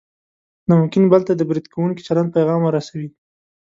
نو ممکن بل ته د برید کوونکي چلند پیغام ورسوي.